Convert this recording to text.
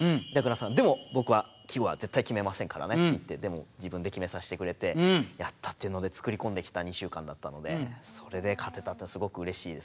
「でも僕は季語は絶対決めませんからね」っていって自分で決めさせてくれてやったっていうので作り込んできた２週間だったのでそれで勝てたってすごくうれしいですね。